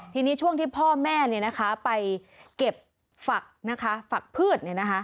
ทีนี้ช่วงที่พ่อแม่ไปเก็บฝักผืด